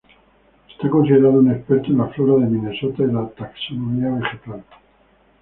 Es considerado un experto en la flora de Minnesota y la taxonomía vegetal.